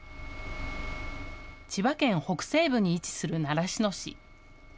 千葉県北西部に位置する習志野市。